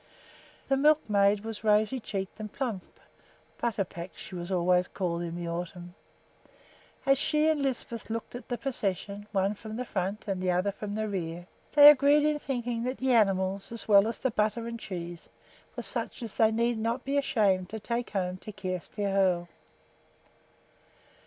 The milkmaid was rosy cheeked and plump ("Butterpack" she was always called in the autumn). As she and Lisbeth looked at the procession, one from the front and the other from the rear, they agreed in thinking that the animals, as well as the butter and cheese, were such as they need not be ashamed to take home to Kjersti Hoel.